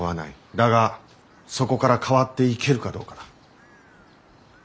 だがそこから変わっていけるかどうかだ。